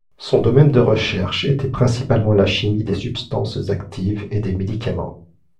Son domaine de recherche était principalement la chimie des substances actives et des médicaments.